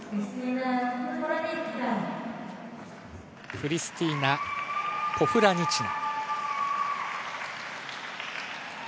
フリスティーナ・ポフラニチナ。